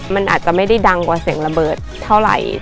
มันอาจจะไม่ได้ดังกว่าเสียงระเบิดเท่าไหร่